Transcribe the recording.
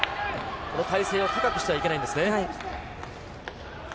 この体勢を高くしてはいけないんですね。